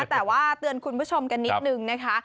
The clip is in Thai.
แต่ว่าเตือนคุณผู้ชมกันนิดนึงนะคะ